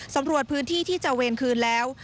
สำรวจพื้นที่ที่จะเวรคืนแล้ว